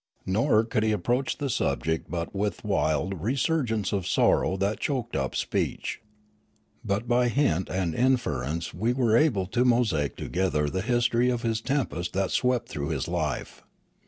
Nor could he approach the subject but with wild resurgence of sorrow that choked up speech. But by hint and inference we were able to mosaic together the history of this tempest that swept through his life.